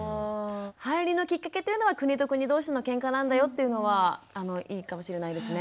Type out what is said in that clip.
入りのきっかけというのは国と国同士のケンカなんだよというのはいいかもしれないですね。